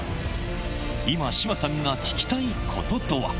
今、志麻さんが聞きたいこととは。